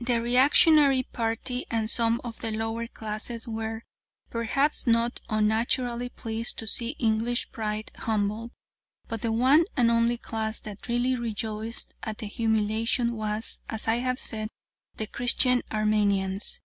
The reactionary party and some of the lower classes were, perhaps not unnaturally, pleased to see English pride humbled, but the one and only class that really rejoiced at the humiliation was, as I have said, the Christian Armenians.